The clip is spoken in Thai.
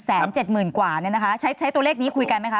แสนเจ็ดหมื่นกว่าเนี่ยนะคะใช้ใช้ตัวเลขนี้คุยกันไหมคะ